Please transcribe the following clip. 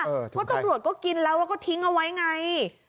เพราะตำรวจก็กินแล้วแล้วก็ทิ้งเอาไว้ไง